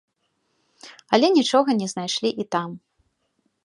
Але нічога не знайшлі і там.